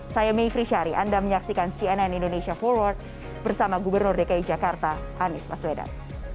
saya may frishari anda menyaksikan cnn indonesia forward bersama gubernur dki jakarta anies paswedan